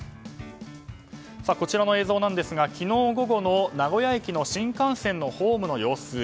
こちらの映像なんですが昨日午後の名古屋駅の新幹線のホームの様子。